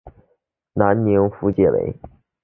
南宁府解围。